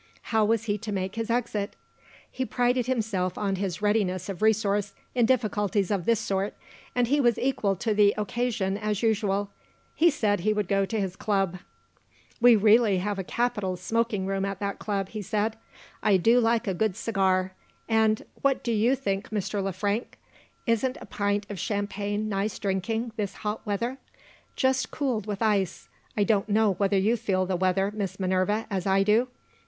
How was he to make his exit? He prided himself on his readiness of resource, in difficulties of this sort, and he was equal to the occasion as usual he said he would go to his club. "We really have a capital smoking room at that club," he said. "I do like a good cigar; and what do you think Mr. Le Frank? isn't a pint of champagne nice drinking, this hot weather? Just cooled with ice I don't know whether you feel the weather, Miss Minerva, as I do?